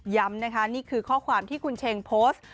นะคะนี่คือข้อความที่คุณเชงโพสต์